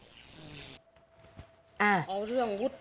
อืม